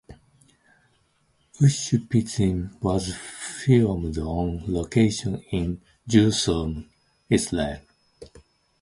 Ushpizin was filmed on location in Jerusalem, Israel.